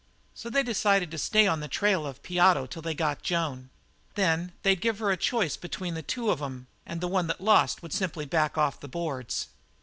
So they decided to stay on the trail of Piotto till they got Joan. Then they'd give her a choice between the two of 'em and the one that lost would simply back off the boards.